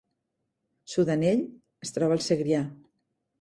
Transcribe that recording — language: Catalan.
Sudanell es troba al Segrià